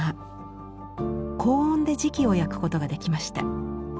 高温で磁器を焼くことができました。